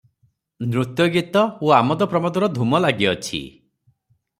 ନୃତ୍ୟ ଗୀତ ଓ ଆମୋଦ ପ୍ରମୋଦର ଧୂମ ଲାଗିଅଛି ।